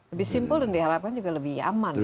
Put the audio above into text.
lebih simpel dan diharapkan juga lebih aman ya